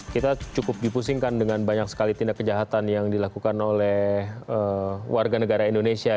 kita cukup dipusingkan dengan banyak sekali tindak kejahatan yang dilakukan oleh warga negara indonesia